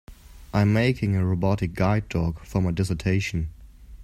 I'm making a robotic guide dog for my dissertation.